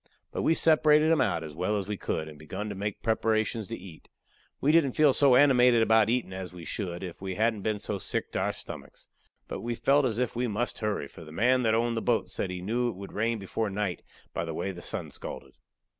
But we separated 'em out as well as we could, and begun to make preparations to eat. We didn't feel so animated about eatin' as we should if we hadn't been so sick to our stomachs. But we felt as if we must hurry, for the man that owned the boat said he knew it would rain before night by the way the sun scalded.